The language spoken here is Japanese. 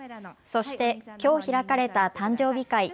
そして、きょう開かれた誕生日会。